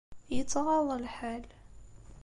Yettɣaḍ lḥal.